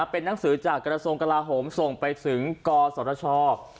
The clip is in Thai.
เป็นนังสือจากกรสงค์กราโฮมส่งไปถึงกสรชอบ